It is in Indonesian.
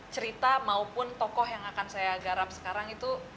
cerita maupun tokoh yang akan saya garap sekarang itu